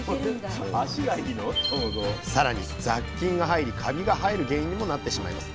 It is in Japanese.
さらに雑菌が入りカビが生える原因にもなってしまいます。